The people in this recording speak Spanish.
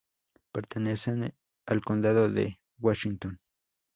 Pertenece al condado de Washington.